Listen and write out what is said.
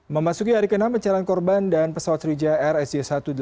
memasuki hari ke enam pencarian korban dan pesawat srija air sj satu ratus delapan puluh